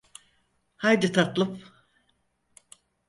Haydi tatlım.